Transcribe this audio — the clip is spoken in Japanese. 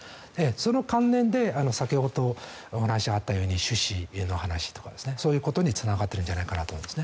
その関連で先ほどお話があったように種子の話とかそういうことにつながっているんじゃないかと思います。